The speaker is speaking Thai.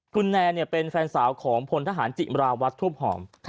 คุณแนนเนี่ยเป็นแฟนสาวของผลทหารจิระวัฏทวบห่อม